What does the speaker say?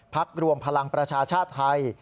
รวมพลังประชาชาติไทย